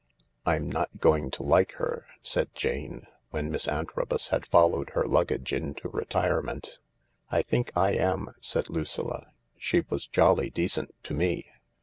" I'm not going to like her," said Jane, when Miss Antrobus had followed her luggage into retirement. " I think I am," said Lucilla. " She was jolly decent to me."